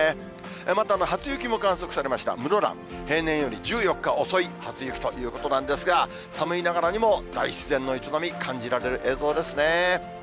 また、初雪も観測されました、室蘭、平年より１４日遅い初雪ということなんですが、寒いながらにも大自然の営み、感じられる映像ですね。